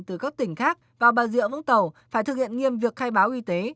từ các tỉnh khác vào bà rịa vũng tàu phải thực hiện nghiêm việc khai báo y tế